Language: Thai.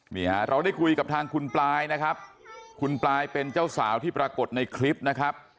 นี่ฮะเราได้คุยกับทางคุณปลายนะครับคุณปลายเป็นเจ้าสาวที่ปรากฏในคลิปนะครับ